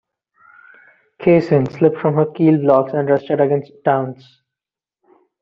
"Cassin" slipped from her keel blocks and rested against "Downes".